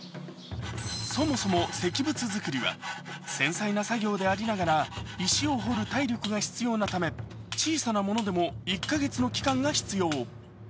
そもそも石仏作りは繊細な作業でありながら石を彫る体力が必要なため小さなものでも１か月の期間が必要。